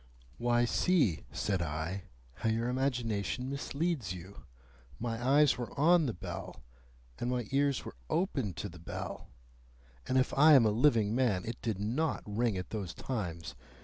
"Why, see," said I, "how your imagination misleads you. My eyes were on the bell, and my ears were open to the bell, and if I am a living man, it did NOT ring at those times.